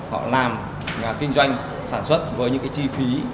họ làm kinh doanh sản xuất với những cái chi phí